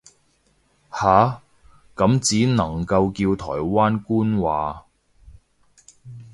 下，咁只能夠叫台灣官話